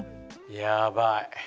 やばい。